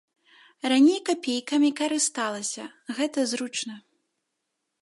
Раней капейкамі карысталася, гэта зручна.